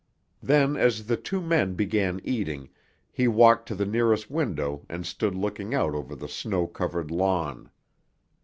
Then, as the two men began eating, he walked to the nearest window and stood looking out over the snow covered lawn.